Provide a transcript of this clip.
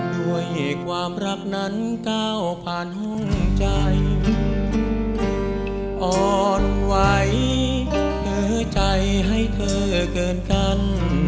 ด้วยความรักนั้นก้าวผ่านห้องใจอ่อนไหวเผลอใจให้เธอเกินกัน